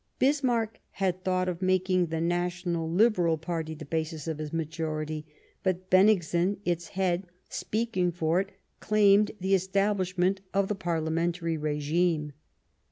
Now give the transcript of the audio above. Bis marck had thought of making the National Liberal party the basis of his majority ; but Bennigsen, its head, speaking for it, claimed the establishment of the parliamentary regime.